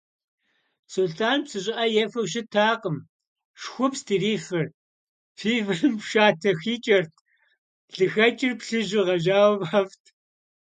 Сулътӏан псы щӏыӏэ ефэу щытакъым, шхупст ирифыр, пивэм шатэ хикӏэрт, лыхэкӏыр плъыжьу гъэжьауэ фӏэфӏт.